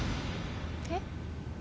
えっ？